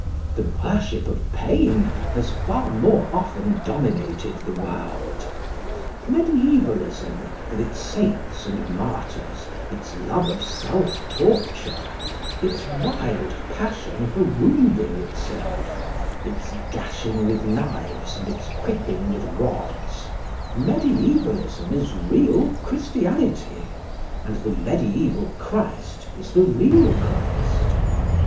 The worship of pain has far more often dominated the world. Mediævalism, with its saints and martyrs, its love of self torture, its wild passion for wounding itself, its gashing with knives, and its whipping with rods—Mediævalism is real Christianity, and the mediæval Christ is the real Christ.